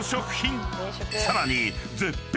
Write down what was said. ［さらに］